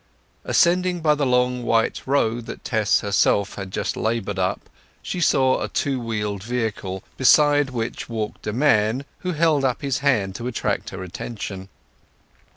Ascending by the long white road that Tess herself had just laboured up, she saw a two wheeled vehicle, beside which walked a man, who held up his hand to attract her attention.